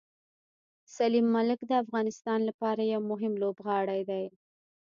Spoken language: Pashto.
سلیم ملک د افغانستان لپاره یو مهم لوبغاړی دی.